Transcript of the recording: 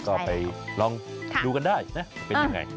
ก็ไปลองดูกันได้นะเป็นยังไง